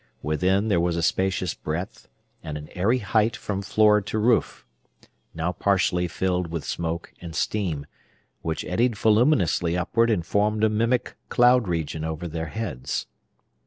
Within, there was a spacious breadth, and an airy height from floor to roof, now partially filled with smoke and steam, which eddied voluminously upward and formed a mimic cloud region over their heads.